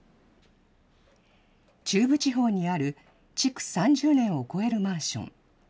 中部地方にある築３０年を超えるマンション。